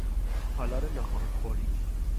تالار ناهارخوری